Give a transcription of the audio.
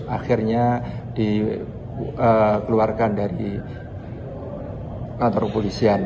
akhirnya dikeluarkan dari kantor kepolisian